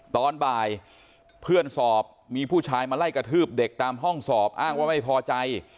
ตอนบ่ายเพื่อนสอบมีผู้ชายมาไล่กระทืบเด็กตามห้องสอบอ้างว่าไม่พอใจ